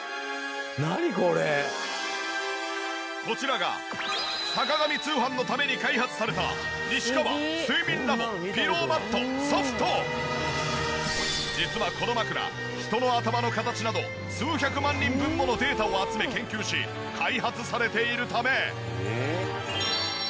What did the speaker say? こちらが『坂上通販』のために開発された実はこの枕人の頭の形など数百万人分ものデータを集め研究し開発されているため。